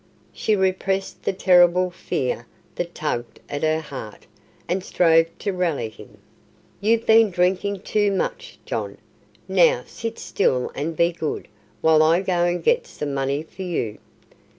She repressed the terrible fear that tugged at her heart, and strove to rally him. "You've been drinking too much, John. Now sit still and be good, while I go and get some money for you."